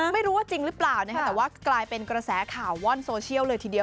ไม่รู้ว่าจริงหรือเปล่านะคะแต่ว่ากลายเป็นกระแสข่าวว่อนโซเชียลเลยทีเดียว